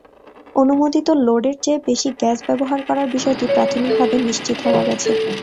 অনুমোদিত লোডের চেয়ে বেশি গ্যাস ব্যবহার করার বিষয়টি প্রাথমিকভাবে নিশ্চিত হওয়া গেছে।